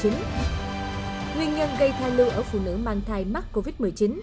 nguyên nhân gây thai lưu ở phụ nữ mang thai mắc covid một mươi chín